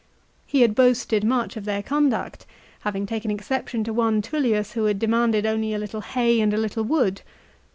He had boasted much of their conduct, having taken exception to one Tullius who had demanded only a little hay and a little wood.